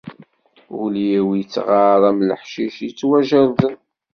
Ul-iw ittɣar am leḥcic yettwajerrḍen.